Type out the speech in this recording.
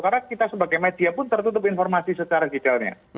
karena kita sebagai media pun tertutup informasi secara digitalnya